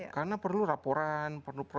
karena perlu raporan